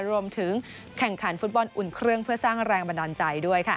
รวมถึงแข่งขันฟุตบอลอุ่นเครื่องเพื่อสร้างแรงบันดาลใจด้วย